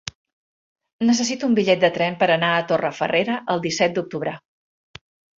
Necessito un bitllet de tren per anar a Torrefarrera el disset d'octubre.